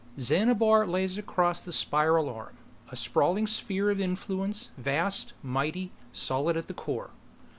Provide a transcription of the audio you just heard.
_ Xanabar lays across the Spiral Arm, a sprawling sphere of influence vast, mighty, solid at the core.